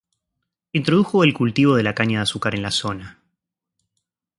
Introdujo el cultivo de la caña de azúcar en la zona.